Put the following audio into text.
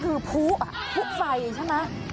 คือพุ๊กอะพุ๊กไฟใช่ไม๊